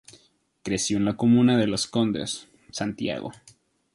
Creció en la comuna de Las Condes, Santiago.